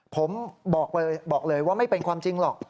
ผมบอกเลยว่าไม่เป็นความจริงหรอก